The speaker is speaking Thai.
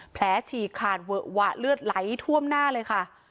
ฉีกขาดเวอะหวะเลือดไหลท่วมหน้าเลยค่ะ